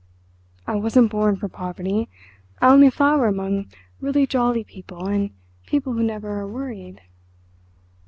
I wasn't born for poverty—I only flower among really jolly people, and people who never are worried."